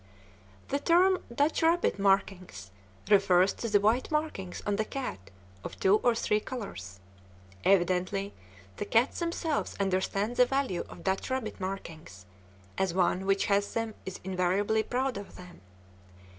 The term "Dutch rabbit markings" refers to the white markings on the cat of two or three colors. Evidently, the cats themselves understand the value of Dutch rabbit markings, as one which has them is invariably proud of them.